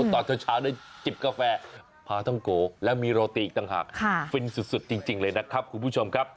ตอนเช้าได้จิบกาแฟพาท่องโกและมีโรตีอีกต่างหากฟินสุดจริงเลยนะครับคุณผู้ชมครับ